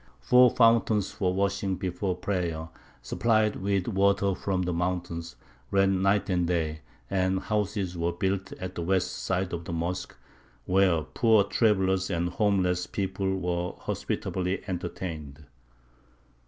Four fountains for washing before prayer, supplied with water from the mountains, ran night and day; and houses were built at the west side of the mosque, where poor travellers and homeless people were hospitably entertained.